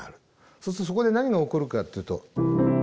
そうするとそこで何が起こるかっていうと。